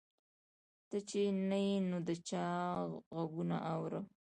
ته چې نه یې نو د چا غـــــــږونه اورم